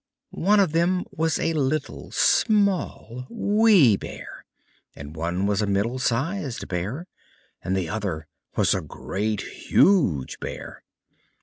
One of them was a Little, Small, Wee Bear; and one was a Middle sized Bear, and the other was a Great, Huge Bear.